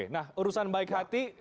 nah urusan baik hati